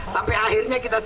sampai akhirnya kita setuju